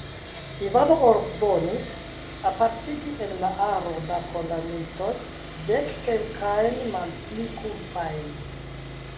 Ivano ordonis apartigi el la aro da kondamnitoj dekkelkajn malpli kulpajn.